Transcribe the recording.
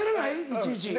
いちいち。